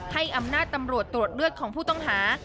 ให้อำนาจตำรวจตรวจเลือดของผู้ต้องหา